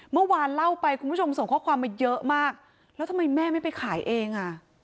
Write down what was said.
เมื่อวานเล่าไปคุณผู้ชมส่งข้อความมาเยอะมากแล้วทำไมแม่ไม่ไปขายเองอ่ะ